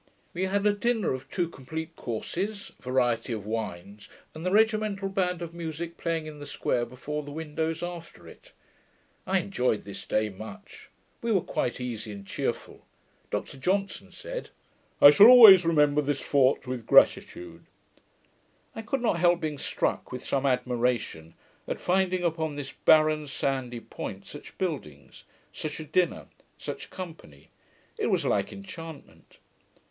We had a dinner of two complete courses, variety of wines, and the regimental band of musick playing in the square, before the window, after it. I enjoyed this day much. We were quite easy and cheerful, Dr Johnson said, 'I shall always remember this fort with gratitude.' I could not help being struck with some admiration, at finding upon this barren sandy point, such buildings, such a dinner, such company: it was like enchantment.